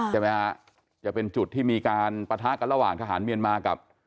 จะเป็นจุดที่มีการปท้ากันระหว่างทหารเมียนมาร์กับ